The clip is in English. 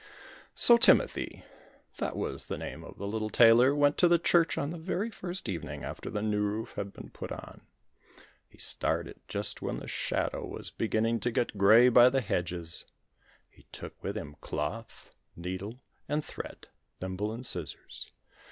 So Timothy that was the name of the little tailor went to the church on the very first evening after the new roof had been put on. He started just when the shadow was beginning to get grey by the hedges. He took with him cloth, needle and thread, thimble and scissors.